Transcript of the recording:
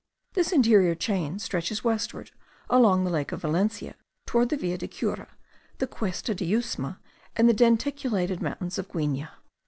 This interior chain stretches westward along the lake of Valencia, towards the Villa de Cura, the Cuesta de Yusma, and the denticulated mountains of Guigne.